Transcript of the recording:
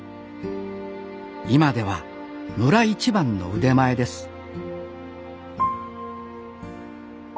今では村一番の腕前です